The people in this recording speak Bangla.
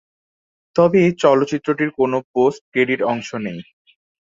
তবে এ চলচ্চিত্রটির কোনো পোস্ট ক্রেডিট অংশ নেই।